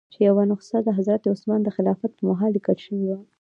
چې یوه نسخه د حضرت عثمان د خلافت په مهال لیکل شوې وه.